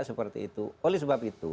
seperti itu oleh sebab itu